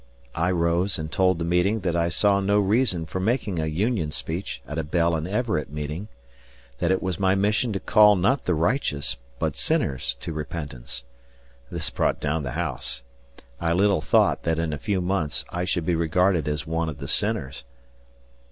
I rose and told the meeting that I saw no reason for making a Union speech at a Bell and Everett meeting; that it was my mission to call not the righteous, but sinners, to repentance. This "brought down the house." I little thought that in a few months I should be regarded as one of the sinners.